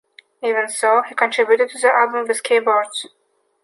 Even so, he contributed to the album with keyboards.